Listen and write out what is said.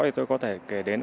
thì tôi có thể kể đến